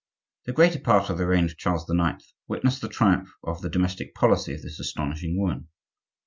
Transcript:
The greater part of the reign of Charles IX. witnessed the triumph of the domestic policy of this astonishing woman.